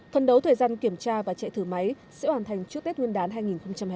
phần đấu thời gian kiểm tra và chạy thử máy sẽ hoàn thành trước tết nguyên đán hai nghìn hai mươi một